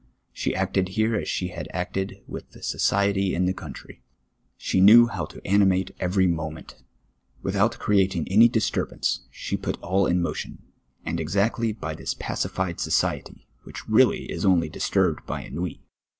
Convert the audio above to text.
She acted here as she had acted with the society in the country. She knew how to ani mate every moment. AN'ithout creatin<r any disturbance, she put all in motion, and exactly by this iiacihed societv. which reidly is only disturbed by cnfiui.